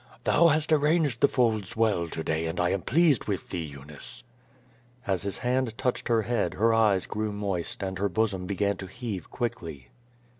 "Thou hast arranged the folds well to day and I am pleased with thee, Eunice/" As his hand touched her head her eyes grew moist and her bosom began to heave quickly.